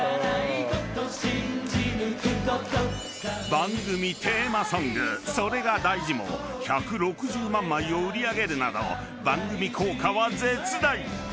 ［番組テーマソング『それが大事』も１６０万枚を売り上げるなど番組効果は絶大］